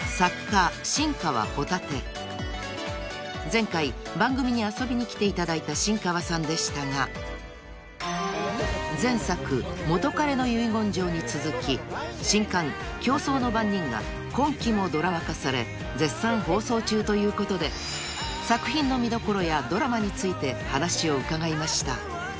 ［前回番組に遊びに来ていただいた新川さんでしたが前作『元彼の遺言状』に続き新刊『競争の番人』が今期もドラマ化され絶賛放送中ということで作品の見どころやドラマについて話を伺いました］